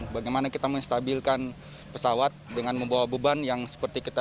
bagaimana kita menstabilkan pesawat dengan membawa beban yang seperti kita